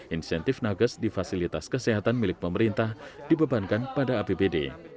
insentif nagas di fasilitas kesehatan milik pemerintah dibebankan pada apbd